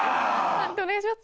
判定お願いします。